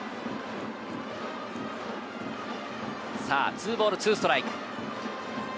２ボール２ストライク。